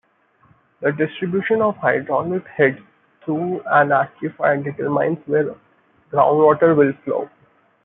The distribution of hydraulic head through an aquifer determines where groundwater will flow.